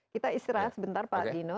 kita istirahat sebentar pak dino